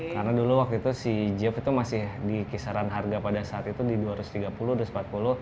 karena dulu waktu itu si g o f itu masih di kisaran harga pada saat itu di rp dua ratus tiga puluh dua ratus empat puluh